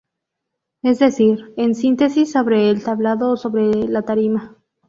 Es decir, en síntesis sobre el tablado o sobre la tarima.